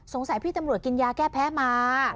พี่ตำรวจกินยาแก้แพ้มา